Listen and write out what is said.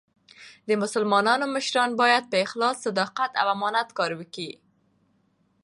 د مسلمانانو مشران باید په اخلاص، صداقت او امانت کار وکي.